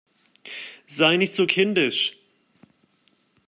Sei nicht so kindisch!